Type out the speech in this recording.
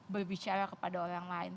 berbicara kepada orang lain